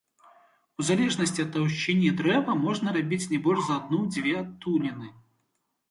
У залежнасці ад таўшчыні дрэва можна рабіць не больш за адну-дзве адтуліны.